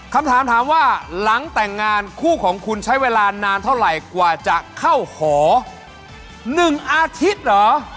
คำถามถามว่าหลังแต่งงานคู่ของคุณใช้เวลานานเท่าไหร่กว่าจะเข้าหอ๑อาทิตย์เหรอ